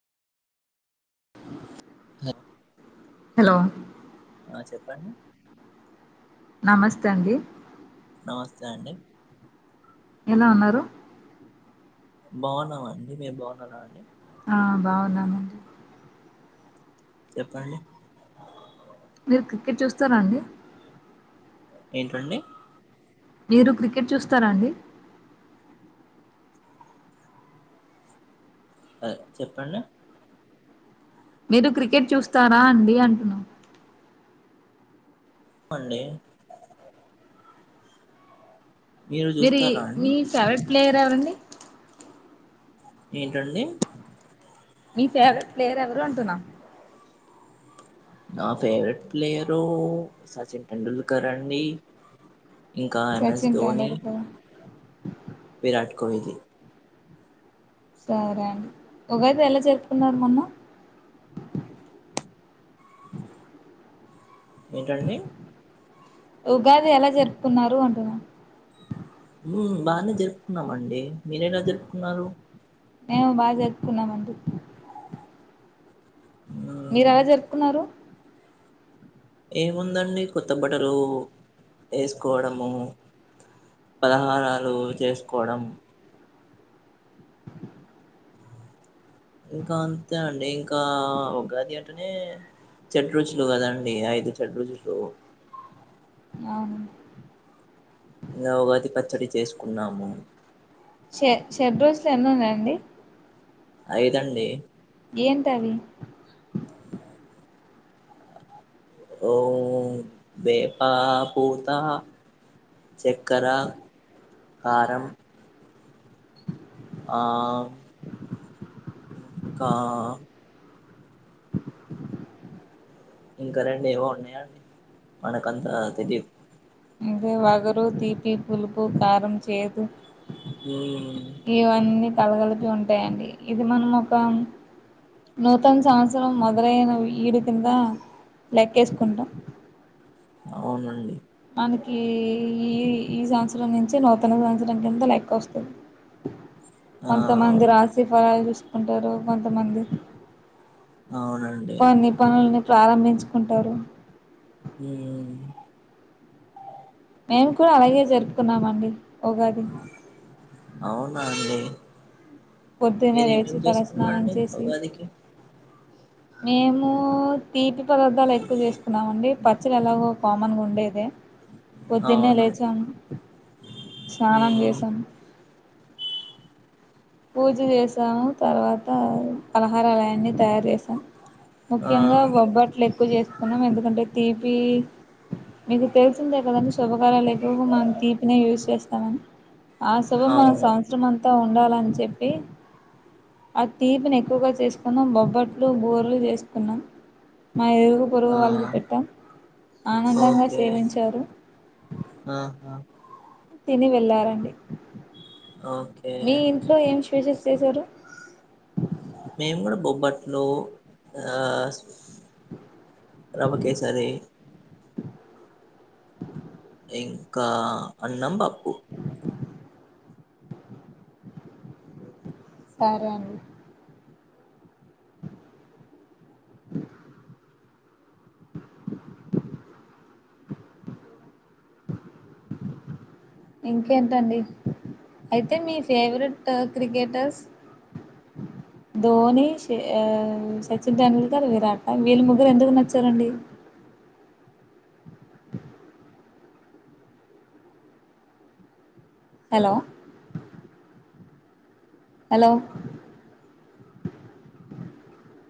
హ హలో ఆ చెప్పండి. నమస్తే అండి నమస్తే అండి. ఎలా ఉన్నారు? బాగున్నామండి. మీర్ బాగున్నారా అండి ఆ బాగున్నామండి. చెప్పండి. మీరు క్రికెట్ చూస్తారా అండి. ఏంటండి? మీరు క్రికెట్ చూస్తారా అండి ఆ చెప్పండి. మీరు క్రికెట్ చూస్తారా అండి అంటున్న మండి. మీరి చూస్తారా అండి మీ ఫేవరెట్ ప్లేయర్ ఎవరండి? ఏంటండి? మీ ఫేవరెట్ ప్లేయర్ ఎవరు అంటున్నా నా ఫేవరెట్ ప్లేయరు సచిన్ టెండూల్కర్ అండి ఇంకా ఎం ఎస్ సచిన్ ధోని టెండూల్కర్ విరాట్ కోహిలీ సరే అండి ఉగాది ఎలా జప్పుకున్నారు మోన్న ఏంటండి ఉగాది ఎలా జరుపుకున్నారు అంటున్నా బానే జరుపుకున్నామండి మీరు ఎలా జరుపుకున్నారు మేము బాగా జరుపుకున్నామండి మీరు మ్మ్, ఎలా జరుపుకున్నారు ఏముందండి కొత్త బట్టలు వేసుకోవడము పలహారాలు చేసుకోవడం ఇంకా అంతే అండి ఇంకా ఉగాది అంటేనే చెట్ రుచులు కదండి ఐదు చెట్ రుచులు అ ఇంకా ఉగాది పచ్చడి చేసుకున్నాము చెషె షెడ్ రుచులు ఎన్ని ఉన్నాయి అండి ఐదు అండి ఏంటవి ఓ వేపా పూత చక్కర కారం ఆ కా ఇంకా రొండు ఏవో ఉన్నాయాండి మనకి అంతా తెలివు ఇదే వగరు తీపి పులుపు కారం చేదు మ్మ్ కలగలుతూ ఉంటాయండి ఇది మనం ఒక నూతన సంవత్సరం మొదలైన ఈడు కింద లెక్కేసుకుంటాం అవునండి మనకి ఈ ఈ సంవత్సరం నుంచి నూతన సంవత్సరం కింద లెక్క వస్తది ఆ కొంతమంది అవును రాశి ఫలాలు చూసుకుంటారు కొంతమంది అవునండి పన్ని పనులని ప్రారంభించుకుంటారు హ్మ్ మేము కూడా అలాగే జరుపుకున్నామండి ఉగాది అవునా అండి పొద్దున్న లేేచి మీరేమేమి తల స్నానం చేసుకున్నారండి చేసి ఉగాదికి మేము తీపి పదార్థాలు ఎక్కువ చేసుకున్నామ అండి పచ్చలు ఎలాగో కామన్గా ఉండేది పొద్దున్నే అవును లేచాం స్నానం ఉమ్ చేసాం పూజ చేసాము తర్వాత పలహారలువన్నీ తయారు చేసాము ఆ ముఖ్యంగా బొబ్బట్లు ఎక్కువ చేసుకున్నాం ఎందుకంటే తీపి మీకు తెలిసిందే కదండి శుభకారలు ఎక్కువ మనం తీపినే యూజ్ చేస్తామని ఆ శుభం మ అవును సంవత్సరం అంతా ఉండాలని చెప్పి ఆ తీపిను ఎక్కువగా చేసుకుందం బొబ్బట్లు బోర్లు చేసుకున్నాం మా ఎరుగు పొరుగు ఆ వాళ్ళకి పెట్టా ఆనందంగా ఓకే సేవించారు ఆహా తిని వెళ్ళారండి ఓకే మీ ఇంట్లో ఏం స్వేషెస్ చేసారు మేము కూడా బొబ్బట్లు ఆ రవ్వ కేసరి ఇంకా అన్నం బప్పు సరే అండి ఇంకేంటండి అయితే మీ ఫేవరెట్ క్రికెటర్స్ ధోని ఆ సచిన్ టెండూల్కర్ విరాట వీళ్ళ ముగ్గురు ఎందుకు నచ్చారండి హలో హలో